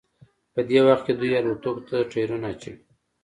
په دې وخت کې دوی الوتکو ته ټیرونه اچوي